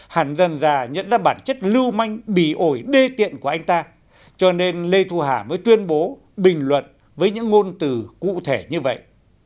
hẳn dần già nhận ra bản chất lưu manh bị ổi đê tiện của anh ta cho nên lê thu hà mới tuyên bố bình luận với những ngôn từ cụ thể như vậy